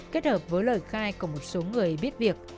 kết hợp với lời khai của một số người biết việc